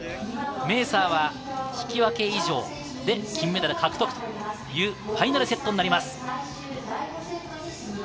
メーサーは引き分け以上で金メダル獲得というファイナルセットになります。